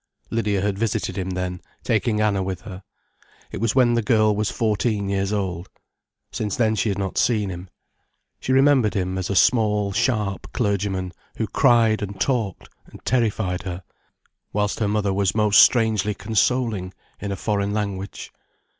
Lydia had visited him then, taking Anna with her. It was when the girl was fourteen years old. Since then she had not seen him. She remembered him as a small sharp clergyman who cried and talked and terrified her, whilst her mother was most strangely consoling, in a foreign language.